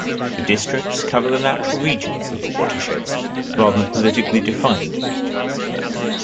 The districts cover the natural regions of the watersheds, rather than politically-defined regions.